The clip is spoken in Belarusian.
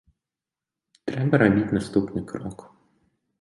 Трэба рабіць наступны крок.